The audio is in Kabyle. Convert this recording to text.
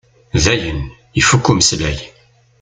Dayen, ifukk umeslay.